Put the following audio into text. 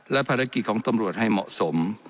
และภารกิจของตำรวจให้เหมาะสม